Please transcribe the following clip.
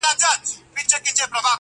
په رسنيو کي موضوع ورو ورو کمه سي راپور,